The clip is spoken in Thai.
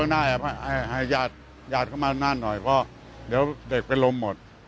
หายาดเข้ามาหน้านหน่อยเดี๋ยวเด็กผมไปล้มหมด